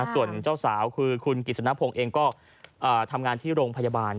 ส่วนเจ้าสาวคือคุณกิจสนพงศ์เองก็ทำงานที่โรงพยาบาล